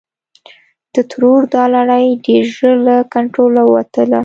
د ترور دا لړۍ ډېر ژر له کنټروله ووتله.